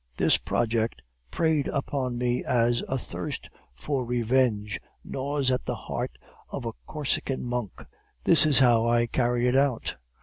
This project preyed upon me as a thirst for revenge gnaws at the heart of a Corsican monk. This is how I carried it out.